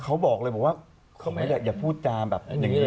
เขาบอกเลยบอกว่าเขาไม่ได้อย่าพูดจาแบบอย่างนี้